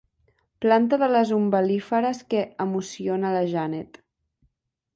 Planta de les umbel·líferes que emociona la Janet.